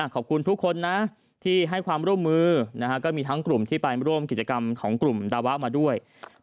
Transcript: ขอบคุณทุกคนนะที่ให้ความร่วมมือก็มีทั้งกลุ่มที่ไปร่วมกิจกรรมของกลุ่มดาวะมาด้วย